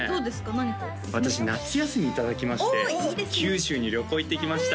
何か私夏休みいただきまして九州に旅行行ってきました